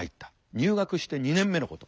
入学して２年目のこと。